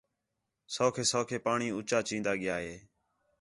سَوکھے سَوکھے پاݨی اُچّا چِین٘دا ڳِیا ہِے